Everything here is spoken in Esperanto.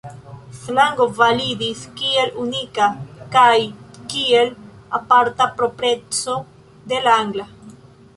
Slango validis kiel unika kaj kiel aparta propreco de la angla.